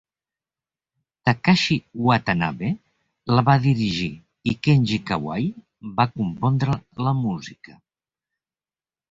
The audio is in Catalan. Takashi Watanabe la va dirigir i Kenji Kawai va compondre la música.